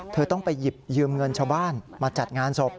เธอต้องไปหยิบยืมเงินชาวบ้านมาจัดงานศพ